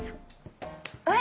あれ？